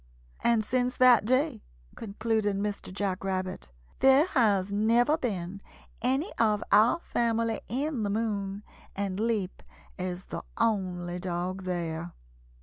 "] "And since that day," concluded Mr. Jack Rabbit, "there has never been any of our family in the moon, and Leap is the only dog there.